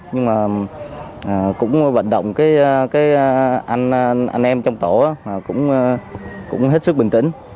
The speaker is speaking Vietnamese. nhưng mà cũng vận động cái anh anh em trong tổ cũng hết sức bình tĩnh